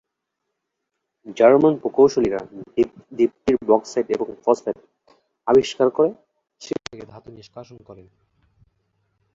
German প্রকৌশলীরা দ্বীপটির bauxite এবং ফসফেট আবিষ্কার করে সেখান থেকে ধাতু নিষ্কাশন করেন।